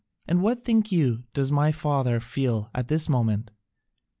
And what, think you, does my father feel at this moment?